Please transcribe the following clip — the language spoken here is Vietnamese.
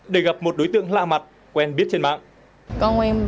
để gặp một đối tượng lạ mặt quen biết trên mạng